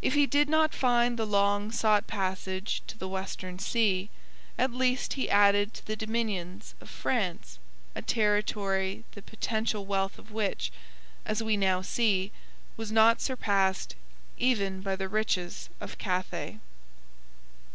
If he did not find the long sought passage to the Western Sea, at least he added to the dominions of France a territory the potential wealth of which, as we now see, was not surpassed even by the riches of Cathay.